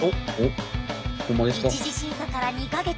一次審査から２か月。